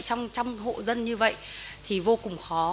trong hộ dân như vậy thì vô cùng khó